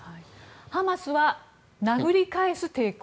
ハマスは、殴り返す抵抗